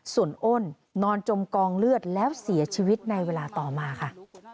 ส่วนอ้นนอนจมกองเลือดแล้วเสียชีวิตในเวลาต่อมาค่ะ